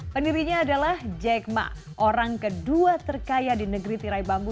pendirinya adalah jack ma orang kedua terkaya di negeri tirai bambu